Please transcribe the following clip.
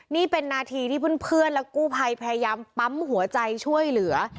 นี่เป็นนาทีที่เพื่อนและกู้ภัยพยายามปั๊มหัวใจช่วยเหลือ